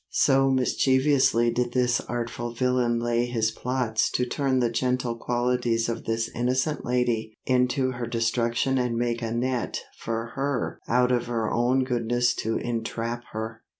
'So mischievously did this artful villain lay his plots to turn the gentle qualities of this innocent lady into her destruction and make a net for her out of her own goodness to entrap her!'